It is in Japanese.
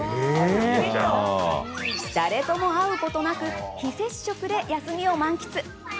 誰とも会うことなく非接触で休みを満喫！